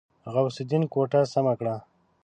غوث الدين کوټه سمه کړه.